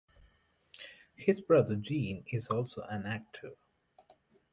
His brother Gene is also an actor.